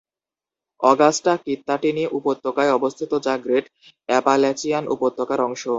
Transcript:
Augusta Kittatinny উপত্যকায় অবস্থিত যা গ্রেট অ্যাপাল্যাচিয়ান উপত্যকার অংশ।